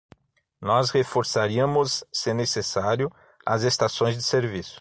Nós reforçaríamos, se necessário, as estações de serviço.